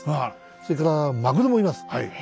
それからマグロもいます。